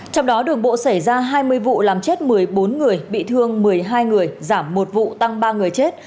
trong đó đường bộ xảy ra hai mươi vụ làm chết một mươi bốn người bị thương một mươi hai người giảm một vụ tăng ba người chết